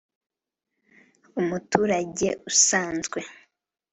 Umuturage usanzwe